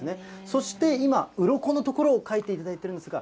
そして今、うろこの所を描いていただいているんですが。